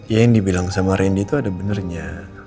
ya yang dibilang sama randy itu ada benarnya